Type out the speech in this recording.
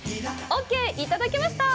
オーケーいただけました！